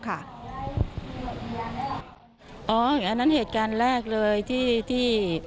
อันนั้นเหตุการณ์แรกเลยที่